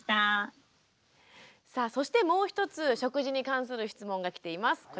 さあそしてもう一つ食事に関する質問が来ています。